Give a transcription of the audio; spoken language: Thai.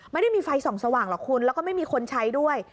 ไม่ได้มีไฟส่องสว่างหรอกคุณแล้วก็ไม่มีคนใช้ด้วย